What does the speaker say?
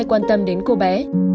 con xin cô ạ